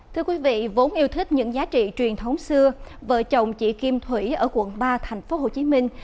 thưa quý vị vốn yêu thích những giá trị truyền thống xưa vợ chồng chị kim thủy ở quận ba thành phố hồ chí minh